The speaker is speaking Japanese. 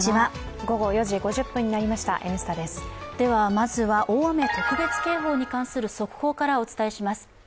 まずは大雨特別警報に関する速報からお伝えします。